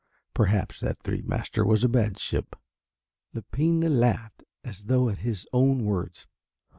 Perhaps that three master was a bad ship." Lepine laughed as though at his own words.